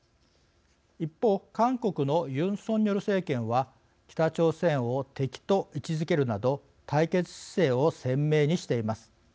一方、韓国のユン・ソンニョル政権は北朝鮮を敵と位置づけるなど対決姿勢を鮮明にしています。